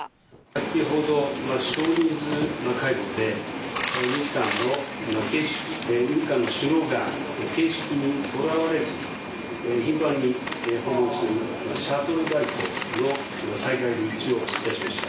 先ほど少人数会合で日韓の首脳が形式にとらわれず頻繁に訪問するシャトル外交の再開で一致をいたしました。